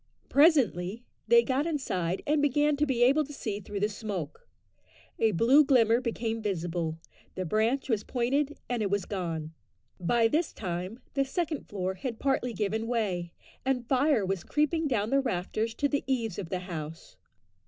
Presently they got inside and began to be able to see through the smoke; a blue glimmer became visible, the branch was pointed, and it was gone. By this time the second floor had partly given way, and fire was creeping down the rafters to the eaves of the house.